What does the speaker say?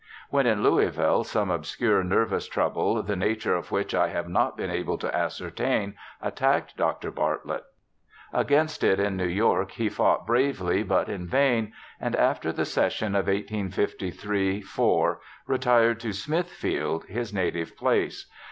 When at Louisville some obscure nervous trouble, the nature of which I have not been able to ascertain, attacked Dr. Bartlett. Against it in New York he fought bravely but in vain, and after the session of 1853 4 retired to Smithfield, his native place.